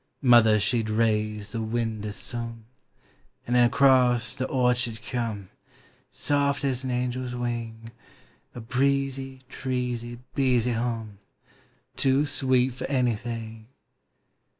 Mother she M raised the winder sniiic; — And in acrosi the orchard come, Soft as an angel's wing, A breezy, treesy, beesy hum, Too sweet for any thing!